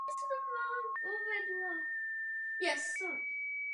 I nadále však zůstal patronem královské rodiny.